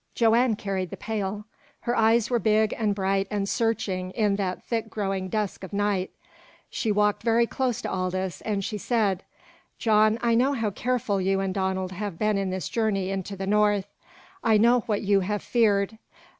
Joanne carried the pail. Her eyes were big and bright and searching in that thick growing dusk of night. She walked very close to Aldous, and she said: "John, I know how careful you and Donald have been in this journey into the North. I know what you have feared.